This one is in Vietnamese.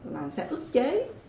là sẽ ước chế